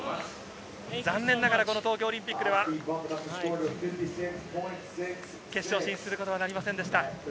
残念ながら東京オリンピックでは、決勝進出することはなりませんでした。